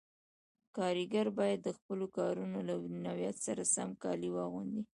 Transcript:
کاریګر باید د خپلو کارونو له نوعیت سره سم کالي واغوندي.